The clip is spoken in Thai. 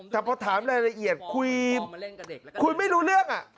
แต่พอถามรายละเอียดคุยไม่รู้เรื่อง